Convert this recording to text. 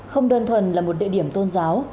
không đơn thuần là một địa điểm tôn giáo